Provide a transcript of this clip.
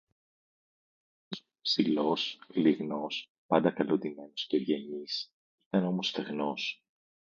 Πολύ όμορφος, ψηλός, λιγνός, πάντα καλοντυμένος κι ευγενής, ήταν όμως στεγνός